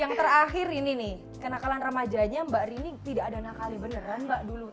yang terakhir ini nih kenakalan ramajanya mbak rini tidak ada nakalnya beneran mbak dulu